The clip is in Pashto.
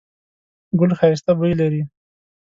ګل ښایسته بوی لري